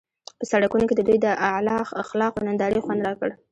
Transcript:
په سړکونو کې د دوی د اعلی اخلاقو نندارې خوند راکړ.